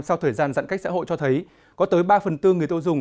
sau thời gian giãn cách xã hội cho thấy có tới ba phần tư người tiêu dùng